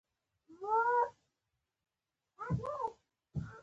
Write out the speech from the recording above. د هګیو چرګان څومره وخت نیسي؟